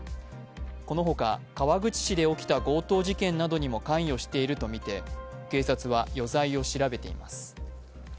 この他、川口市で起きた強盗事件などにも関与しているとみて警察は余罪を調べています。